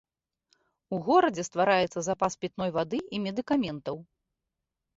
У горадзе ствараецца запас пітной вады і медыкаментаў.